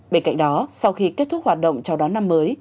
bên cạnh đó sau khi kết thúc hoạt động chào đón năm mới